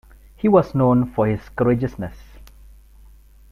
He was known for his courageousness.